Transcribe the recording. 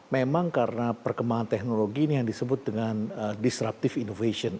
memang karena perkembangan teknologi ini yang disebut dengan disruptive innovation